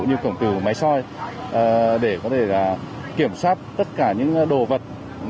như cổng từ máy soi để có thể kiểm soát tất cả những đồ vật